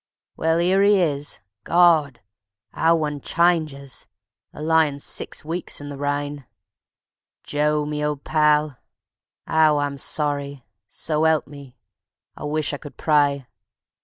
Well, 'ere 'e is. Gawd! 'Ow one chinges a lyin' six weeks in the rain. Joe, me old pal, 'ow I'm sorry; so 'elp me, I wish I could pray.